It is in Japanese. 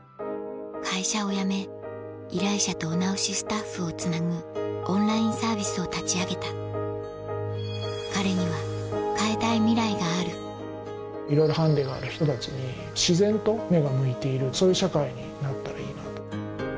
会社を辞め依頼者とお直しスタッフをつなぐオンラインサービスを立ち上げた彼には変えたいミライがあるいろいろハンデがある人たちに自然と目が向いているそういう社会になったらいいなと。